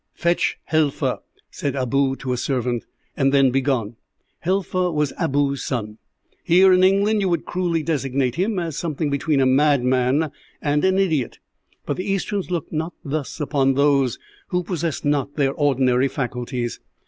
"'Fetch Helfa,' said Abou to a servant, 'and then begone.' "Helfa was Abou's son. Here, in England, you would cruelly designate him as something between a madman and an idiot, but the Easterns look not thus upon those who possess not their ordinary faculties.